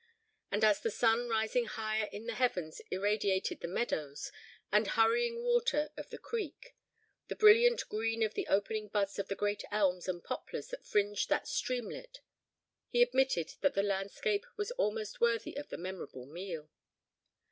And as the sun rising higher in the heavens irradiated the meadows, the hurrying water of the creek, the brilliant green of the opening buds of the great elms and poplars that fringed that streamlet, he admitted that the landscape was almost worthy of the memorable meal.